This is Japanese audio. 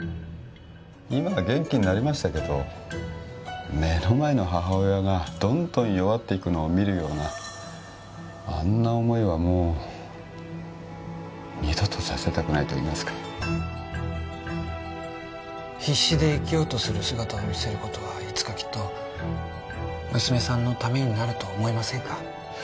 今は元気になりましたけど目の前の母親がどんどん弱っていくのを見るようなあんな思いはもう二度とさせたくないといいますか必死で生きようとする姿を見せることはいつかきっと娘さんのためになると思いませんか？